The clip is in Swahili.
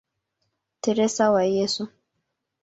Teresa wa Yesu".